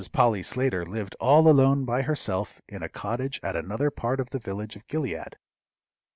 Polly Slater lived all alone by herself in a cottage at another part of the village of Gilead.